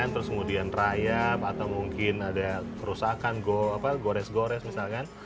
terus kemudian rayap atau mungkin ada kerusakan gores gores misalkan